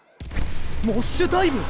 モッシュダイブ！